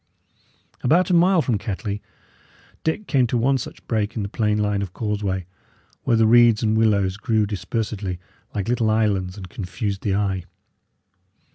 About a mile from Kettley, Dick came to one such break in the plain line of causeway, where the reeds and willows grew dispersedly like little islands and confused the eye.